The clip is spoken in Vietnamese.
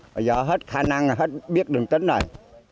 bây giờ hết khả năng hết biết đường tính rồi